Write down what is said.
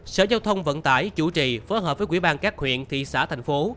sở giao thông vận tải chủ trì phối hợp với quỹ ban các huyện thị xã thành phố